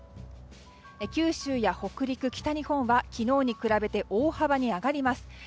九州や北陸、北日本は昨日に比べて大幅に上がります。